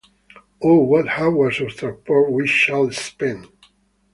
Oh, what hours of transport we shall spend!